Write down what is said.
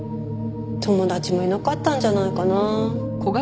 友達もいなかったんじゃないかな。